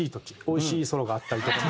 おいしいソロがあったりとか。